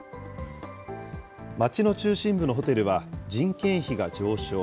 街の中心部のホテルは人件費が上昇。